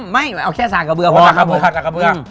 ไม่เอาแค่สระกระเบือพอครับผมสระกระเบือ